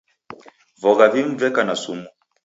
Vogha vimu veka na sumu.